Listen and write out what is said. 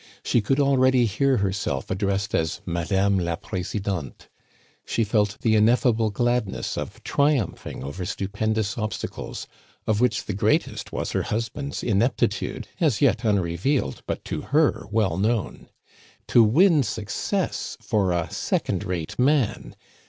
She could already hear herself addressed as Madame la Presidente. She felt the ineffable gladness of triumphing over stupendous obstacles, of which the greatest was her husband's ineptitude, as yet unrevealed, but to her well known. To win success for a second rate man!